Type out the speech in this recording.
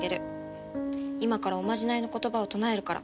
今からおまじないの言葉を唱えるから。